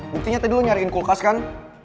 buktinya tadi lo nyariin kulkas kan